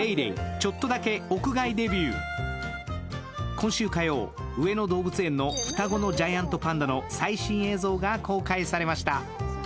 今週火曜、上野動物園の双子のジャイアントパンダの最新映像が公開されました。